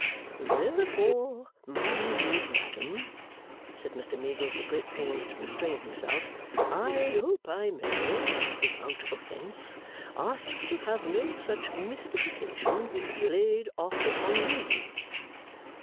'Therefore, my good madam,' said Mr Meagles, at great pains to restrain himself, 'I hope I may, without offence, ask to have no such mystification played off upon me.